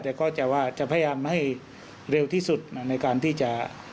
แต่ก็จะว่าจะพยายามให้เร็วที่สุดในการที่จะ